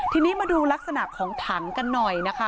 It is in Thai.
ทีนี้มาดูลักษณะของถังกันหน่อยนะคะ